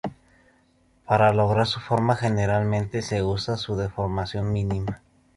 Para lograr su forma generalmente se usa su deformación mínima.